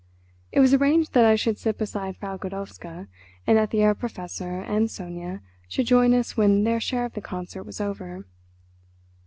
It was arranged that I should sit beside Frau Godowska, and that the Herr Professor and Sonia should join us when their share of the concert was over.